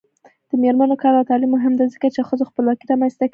د میرمنو کار او تعلیم مهم دی ځکه چې ښځو خپلواکي رامنځته کوي.